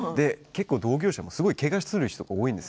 同業者で、けがをする人多いんです。